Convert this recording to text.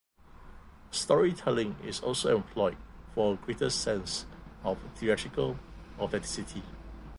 Storytelling is also employed for a greater sense of theatrical authenticity.